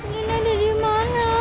dina ada dimana